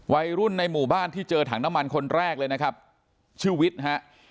วัยรุ่นในหมู่บ้านที่เจอถังน้ำมันคนแรกเลยนะครับชื่อวิทย์ฮะ